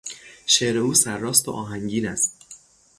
شعر او سر راست و آهنگین است.